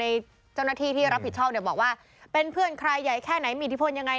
เจ้าหน้าที่ที่รับผิดชอบเนี่ยบอกว่าเป็นเพื่อนใครใหญ่แค่ไหนมีอิทธิพลยังไง